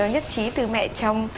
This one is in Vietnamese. nhất trí từ mẹ chồng